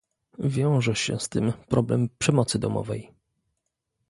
Wiąże się z tym problem przemocy domowej